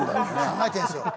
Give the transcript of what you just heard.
考えてるんですよ。